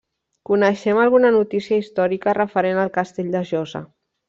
Coneixem alguna notícia històrica referent al castell de Josa.